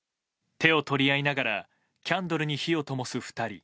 手を取り合いながらキャンドルに火をともす２人。